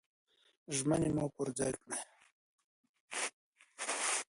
ژمني مو پر ځای کړئ.